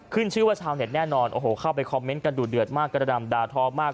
ชื่อว่าชาวเน็ตแน่นอนโอ้โหเข้าไปคอมเมนต์กันดูเดือดมากกระดำดาท้อมาก